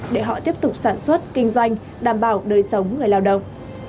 để họ tiếp tục sản xuất kinh doanh đảm bảo đời sống người lao động